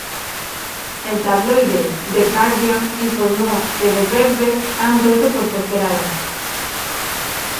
El tabloide The Guardian informó que The Verve han roto por tercera vez.